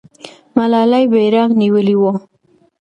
ملالۍ بیرغ نیولی وو.